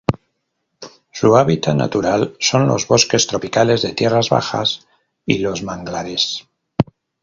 Su hábitat natural son los bosques tropicales de tierras bajas y los manglares.